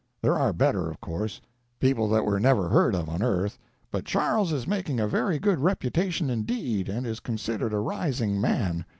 There are better, of course—people that were never heard of on earth—but Charles is making a very good reputation indeed, and is considered a rising man.